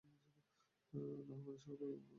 আল্লাহ আমাদের সকলকে কবুল করুন।